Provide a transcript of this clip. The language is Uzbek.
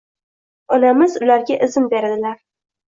Onamiz ularga izn beradilar.